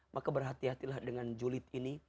maka berhati hatilah dengan julid ini